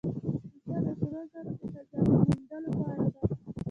کیسه د سرو زرو د خزانه موندلو په اړه ده.